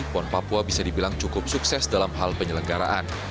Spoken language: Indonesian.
pon papua bisa dibilang cukup sukses dalam hal penyelenggaraan